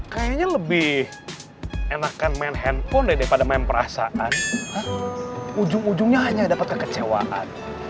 kayaknya lebih enakan main handphone daripada main perasaan ujung ujungnya hanya dapat kekecewaan